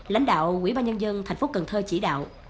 lãnh đạo quỹ ba nhân dân thành phố cần thơ chỉ đạo